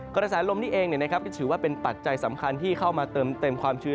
กระแสลมนี้เองก็ถือว่าเป็นปัจจัยสำคัญที่เข้ามาเติมความชื้น